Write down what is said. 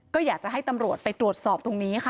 ก็อยากจะให้ตำรวจไปตรวจสอบตรงนี้ค่ะ